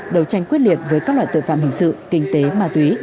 đầu tranh quyết liệt với các loại tội phạm hình sự kinh tế ma túy